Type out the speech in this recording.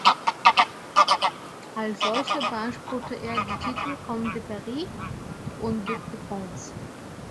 Als solcher beanspruchte er die Titel "Comte de Paris" und "Duc de France".